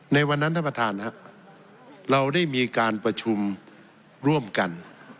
ในวันนั้นท่านประธานครับเราได้มีการประชุมร่วมกัน